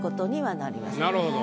なるほど。